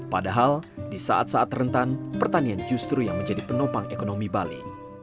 padahal di saat saat rentan pertanian justru yang menjadi penopang ekonomi bali